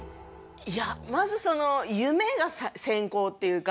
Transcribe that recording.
いやまずその夢が先行っていうか